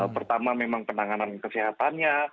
pertama memang penanganan kesehatannya